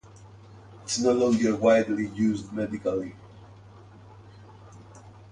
It is no longer widely used medically.